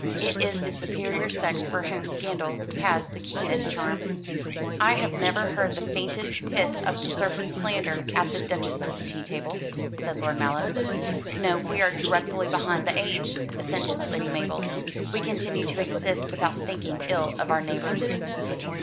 It is the superior sex for whom scandal has the keenest charm." "I have never heard the faintest hiss of the serpent slander at the Duchess's tea table," said Lord Mallow. "No; we are dreadfully behind the age," assented Lady Mabel. "We continue to exist without thinking ill of our neighbours."